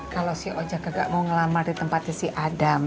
kalau si ojk gak mau ngelamar di tempatnya si adam